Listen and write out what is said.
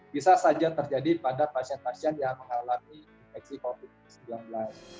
bisa saja terjadi pada pasien pasien yang mengalami infeksi covid sembilan belas